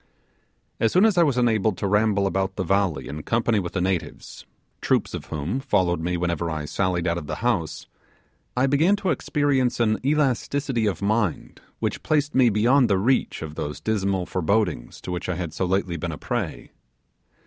As soon as I was enabled to ramble about the valley in company with the natives, troops of whom followed me whenever I sallied out of the house, I began to experience an elasticity of mind which placed me beyond the reach of those dismal forebodings to which I had so lately been a prey.